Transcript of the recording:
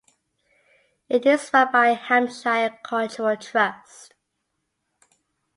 It is run by Hampshire Cultural Trust.